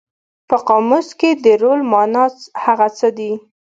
په قاموس کې د رول مانا هغه څه دي.